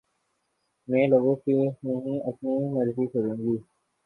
میں لوگوں کی نہیں اپنی مرضی کروں گی